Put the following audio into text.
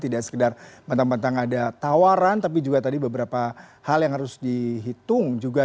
tidak sekedar mentang mentang ada tawaran tapi juga tadi beberapa hal yang harus dihitung juga